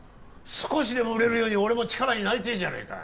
少しでも売れるように俺も力になりてえじゃねえか